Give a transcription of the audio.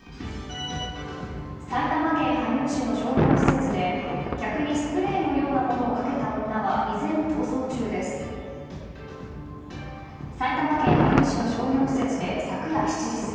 埼玉県羽生市の商業施設で客にスプレーのようなものをかけた女は依然、逃走中です。